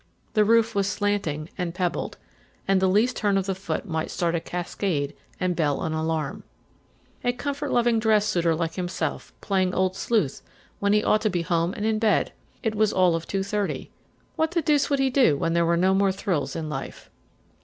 The roof was slanting and pebbled, and the least turn of the foot might start a cascade and bell an alarm. A comfort loving dress suiter like himself, playing Old Sleuth, when he ought to be home and in bed! It was all of two thirty. What the deuce would he do when there were no more thrills in life?